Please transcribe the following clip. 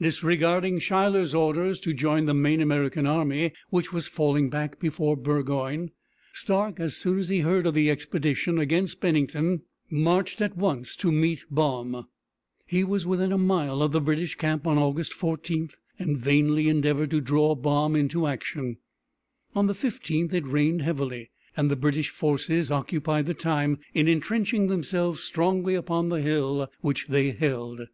Disregarding Schuyler's orders to join the main American army, which was falling back before Burgoyne, Stark, as soon as he heard of the expedition against Bennington, marched at once to meet Baum. He was within a mile of the British camp on August 14, and vainly endeavored to draw Baum into action. On the 15th it rained heavily, and the British forces occupied the time in intrenching themselves strongly upon the hill which they held.